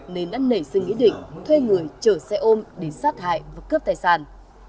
nên đã nảy sinh ý định thuê người chở xe ôm đến sát hại và cướp tài sản